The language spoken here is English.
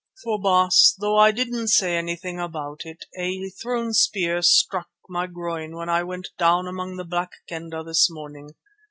For, Baas, though I didn't say anything about it, a thrown spear struck my groin when I went down among the Black Kendah this morning.